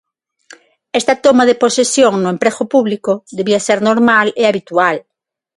Esta toma de posesión no emprego público debía ser normal e habitual.